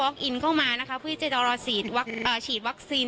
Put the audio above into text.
อินเข้ามานะคะเพื่อที่จะรอฉีดวัคซีน